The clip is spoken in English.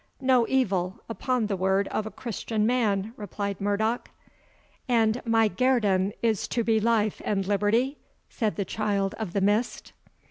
"No evil, upon the word of a Christian man," replied Murdoch. "And my guerdon is to be life and liberty?" said the Child of the Mist.